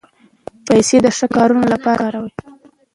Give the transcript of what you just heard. پیسې د ښو کارونو لپاره وکاروئ.